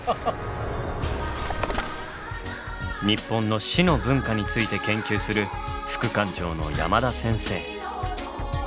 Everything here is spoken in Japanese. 日本の「死」の文化について研究する副館長の山田先生。